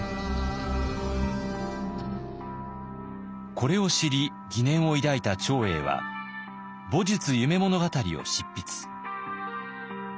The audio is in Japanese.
これを知り疑念を抱いた長英は「戊戌夢物語」を執筆。